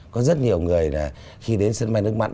có rất nhiều người là khi đến sân bay nước mặn